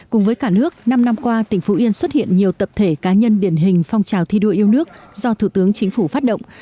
cùng với cả nước năm năm qua tỉnh phú yên xuất hiện nhiều tập thể cá nhân điển hình phong trào thi đua yêu nước do thủ tướng chính phủ phát động